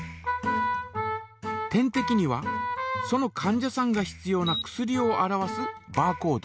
点てきにはそのかん者さんが必要な薬を表すバーコード。